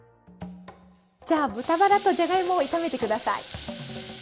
じゃあ豚バラとじゃがいもを炒めて下さい。